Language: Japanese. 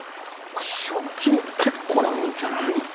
賞金結構なもんじゃないの？